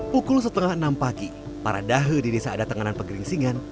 pukul setengah enam pagi para dahe di desa ada tenganan pegering singan